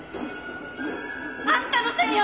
あんたのせいよ！